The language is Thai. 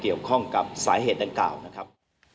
เดี๋ยวข้องกับสาเหตุตั้ง๙นะครับ